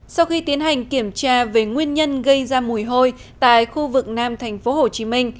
sau khi tiến hành kiểm tra về nguyên nhân gây ra mùi hôi tại khu vực nam tp hcm